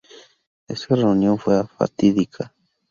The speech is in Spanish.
Esa reunión fue fatídica.